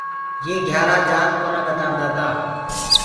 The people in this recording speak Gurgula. يي گھِيآرآ جآت ڪونآ ٻتآدآتآ۔